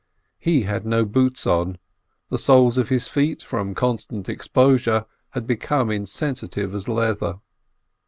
He had no boots on; the soles of his feet, from constant exposure, had become insensitive as leather.